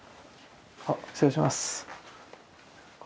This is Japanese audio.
あっ失礼します。